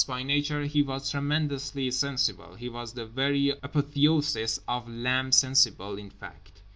By nature he was tremendously sensible, he was the very apotheosis of l'ame sensible in fact.